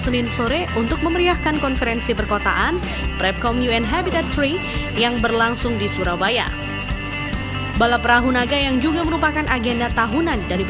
lomba yang berlangsung meriah ini diikuti oleh puluhan tim